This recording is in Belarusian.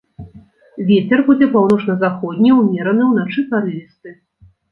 Вецер будзе паўночна-заходні ўмераны, уначы парывісты.